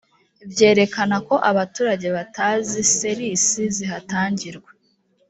byerekana ko abaturage batazi ser isi zihatangirwa